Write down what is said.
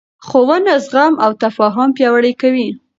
ښوونه زغم او تفاهم پیاوړی کوي